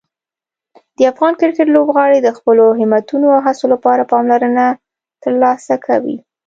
د افغان کرکټ لوبغاړي د خپلو همتونو او هڅو لپاره پاملرنه ترلاسه کوي.